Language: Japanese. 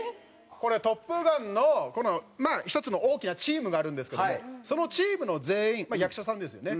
『トップガン』のまあ１つの大きなチームがあるんですけどもそのチームの全員まあ役者さんですよね。